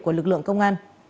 của lực lượng công an